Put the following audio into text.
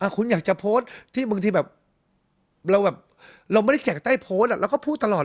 คุณอยากจะโพสต์ที่บางทีแบบเราไม่ได้แจกใต้โพสต์เราก็พูดตลอด